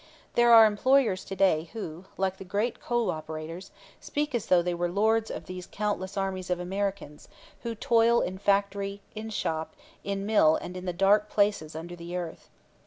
There are employers to day who, like the great coal operators, speak as though they were lords of these countless armies of Americans, who toil in factory, in shop, in mill and in the dark places under the earth.